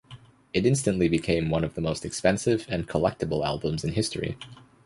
It instantly became one of the most expensive and collectible albums in history.